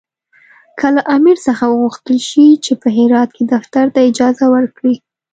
که له امیر څخه وغوښتل شي چې په هرات کې دفتر ته اجازه ورکړي.